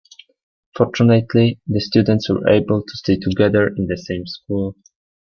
Fortunately, the students were able to stay together in the same school.